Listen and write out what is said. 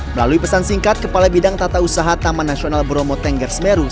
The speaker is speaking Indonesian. melalui pesan singkat kepala bidang tata usaha taman nasional bromo tengger semeru